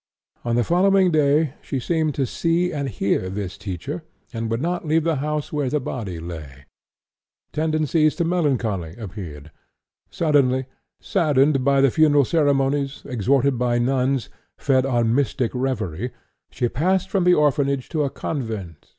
On the following day she seemed to see and hear this teacher, and would not leave the house where the body lay. Tendencies to melancholy appeared. Saddened by the funeral ceremonies, exhorted by nuns, fed on mystic revery, she passed from the orphanage to a convent.